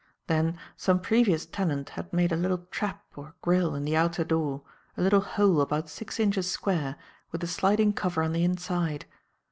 Then some previous tenant had made a little trap or grille in the outer door, a little hole about six inches square with a sliding cover on the inside.